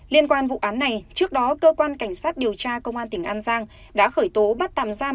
liên quan vụ án này trước đó cơ quan cảnh sát điều tra công an tỉnh an giang đã khởi tố bắt tạm giam